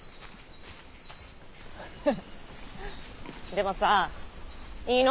でもさいいの？